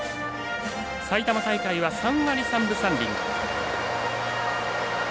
埼玉大会は３割３分３厘。